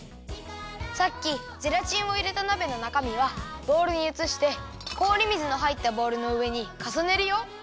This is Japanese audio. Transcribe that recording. さっきゼラチンをいれたなべのなかみはボウルにうつして氷水のはいったボウルのうえにかさねるよ。